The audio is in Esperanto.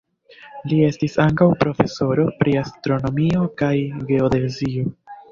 Li estis ankaŭ profesoro pri astronomio kaj geodezio.